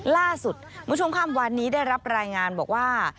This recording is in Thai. ล่าสุดมุชมค่ำวันนี้ได้รับรายงานบอกว่า